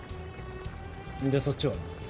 でそっちは？